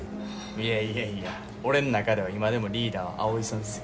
いやいやいや俺ん中では今でもリーダーは青井さんっすよ。